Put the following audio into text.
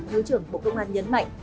thứ trưởng bộ công an nhấn mạnh